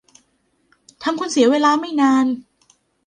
ทำคุณเสียเวลาไม่นาน